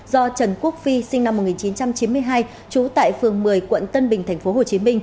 do trần quốc phi sinh năm một nghìn chín trăm chín mươi hai trú tại phường một mươi quận tân bình tp hcm